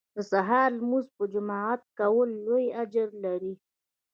د سهار لمونځ په جماعت کول لوی اجر لري